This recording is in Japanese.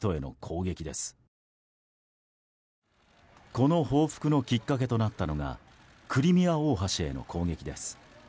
この報復のきっかけとなったのがクリミア大橋への攻撃です。